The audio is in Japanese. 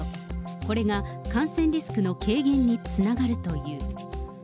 これが感染リスクの軽減につながるという。